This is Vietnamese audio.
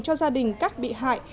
cho gia đình các bị hại